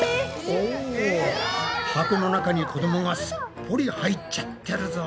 お箱の中に子どもがすっぽり入っちゃってるぞ！